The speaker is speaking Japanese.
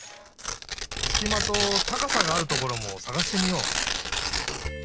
すきまとたかさがあるところもさがしてみよう。